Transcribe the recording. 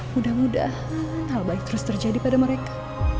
mudah mudahan hal baik terus terjadi pada mereka